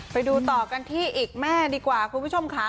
ไปดูต่อกันที่อีกแม่ดีกว่าคุณผู้ชมค่ะ